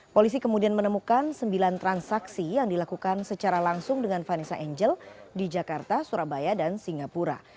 polisi kemudian menemukan sembilan transaksi yang dilakukan secara langsung dengan vanessa angel di jakarta surabaya dan singapura